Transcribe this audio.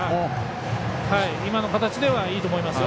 今の形ではいいと思います。